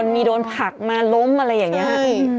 มีโดนผลักมาล้มอะไรอย่างนี้ครับ